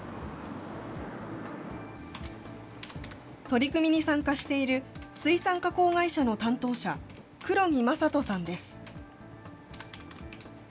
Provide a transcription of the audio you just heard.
取り組みに参加している、水産加工会社の担当者、黒木将人さんです。